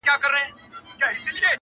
هر پاچا يې دنيادار لکه قارون وو،